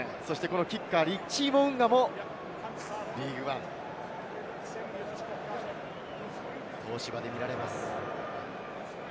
キッカーのリッチー・モウンガもリーグワン、東芝で見られます。